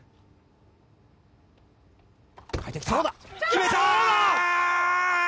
決めた！